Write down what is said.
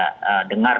yang biasa kita dengar